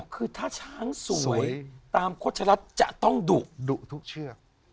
อ๋อคือถ้าช้างสวยสวยตามข้อชะลัดจะต้องดุดุทุกเชือก